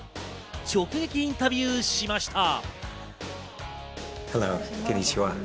直撃インタビューしました。